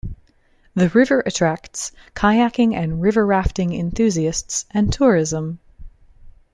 The river attracts kayaking and river rafting enthusiasts and tourism.